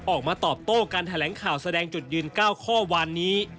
ออกมาตอบโต้การแถลงข่าวแสดงจุดยืน๙ข้อวานนี้